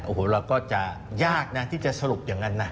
โอ้โหเราก็จะยากนะที่จะสรุปอย่างนั้นนะ